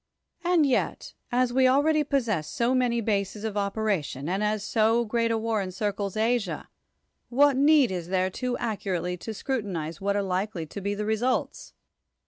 And yet, as we already possess so many bases 96 iSOC RAILS ISOCRATES of operation, and as so creat a Avar encircles Asia, what need is there too accurately to scruti nize what are likely to be the results